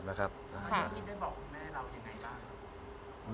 ตอนนี้สาม